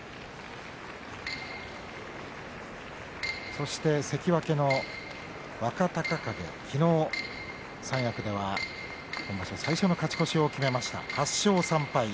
そして関脇の若隆景昨日三役では、今場所最初の勝ち越しを決めました、８勝３敗。